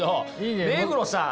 目黒さん